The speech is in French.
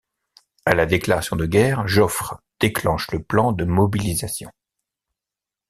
À la déclaration de guerre, Joffre déclenche le plan de mobilisation.